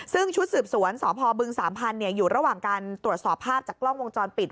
ซึ่งชุดสืบสวนสพบึงสามพันธุ์อยู่ระหว่างการตรวจสอบภาพจากกล้องวงจรปิด